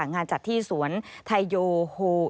งานจัดที่สวนไทโยโฮ